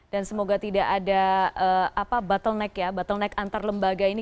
dan semoga tidak ada bottleneck ya bottleneck antar lembaga ini